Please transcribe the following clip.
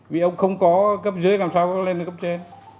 vì ông không có cấp dưới làm sao có lên cấp trên